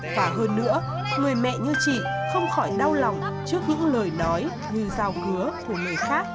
và hơn nữa người mẹ như chị không khỏi đau lòng trước những lời nói như giao ngứa của người khác